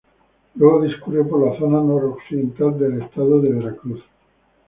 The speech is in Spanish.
Luego discurre por la zona noroccidental del estado de Veracruz.